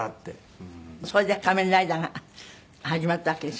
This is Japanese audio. それで『仮面ライダー』が始まったわけでしょ？